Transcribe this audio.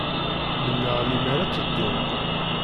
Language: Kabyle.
Mennaɣ lemmer ad teddud.